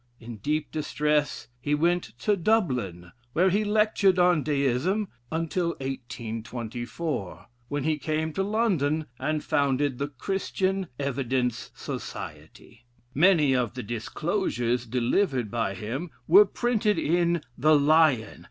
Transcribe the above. In deep distress, he went to Dublin, where he lectured on Deism until 1824, when he came to London, and founded the Christian Evidence Society. Many of the discourses delivered by him were printed in "The Lion."